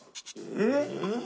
えっ？